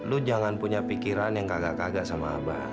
kak lo jangan punya pikiran yang reemar nggak ngerti republican